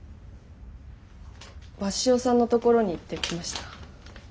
鷲尾さんのところに行ってきました。